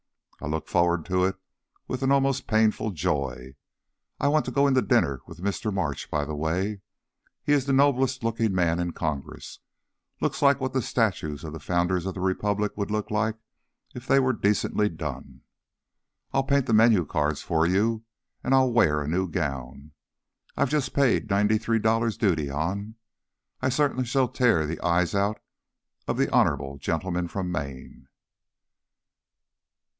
I look forward to it with an almost painful joy. I want to go in to dinner with Mr. March, by the way. He is the noblest looking man in Congress looks like what the statues of the founders of the Republic would look like if they were decently done. I'll paint the menu cards for you, and I'll wear a new gown I've just paid ninety three dollars duty on I certainly shall tear out the eyes of 'the honourable gentleman from Maine.'"